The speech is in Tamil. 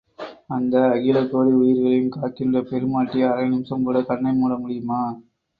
அந்த அகில கோடி உயிர்களையும் காக்கின்ற பெருமாட்டி அரை நிமிஷம் கூட கண்ணை மூட முடியுமா?